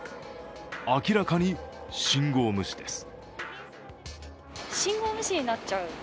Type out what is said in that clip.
明らかに信号無視です。